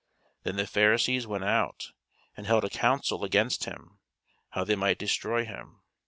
Then the Pharisees went out, and held a council against him, how they might destroy him.